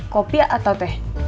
kopi atau teh